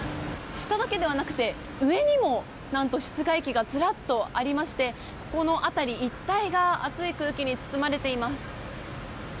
下だけではなくて何と上にも室外機がずらっとありましてこの辺り一帯が熱い空気に包まれています。